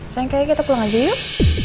sayang kayaknya kita pulang aja yuk